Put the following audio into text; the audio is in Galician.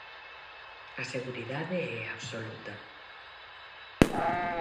A seguridade é absoluta.